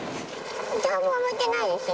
どうも思ってないですよ。